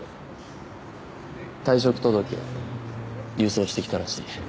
退職届郵送してきたらしい